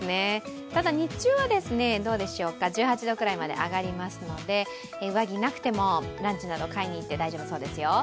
ただ日中は１８度ぐらいまで上がりますので上着がなくても、ランチなどを買いにいっても大丈夫そうですよ。